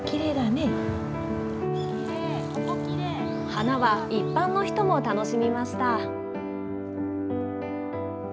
花は一般の人も楽しみました。